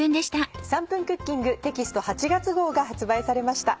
『３分クッキング』テキスト８月が発売されました。